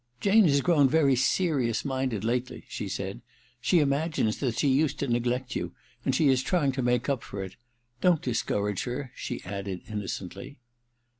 ^Jane has grown very serious minded lately/ she said. * ohe imagines that she used to neglect you, and she is trying to make up for it. Don't discourage her/ she added innocently.